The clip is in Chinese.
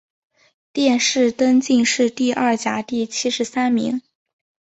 殿试登进士第二甲第七十三名。